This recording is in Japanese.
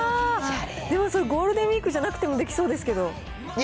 でもそれ、ゴールデンウィークじゃなくてもできそうですけど。